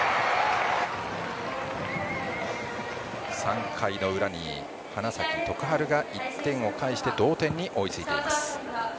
３回の裏に花咲徳栄が１点をかえして同点に追いついています。